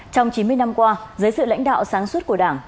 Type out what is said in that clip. trong chín mươi năm qua dưới sự lãnh đạo sáng suốt của đảng